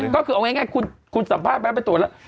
ก็คือเอาง่ายคุณสัมภาษณ์ไปตรวจแล้ว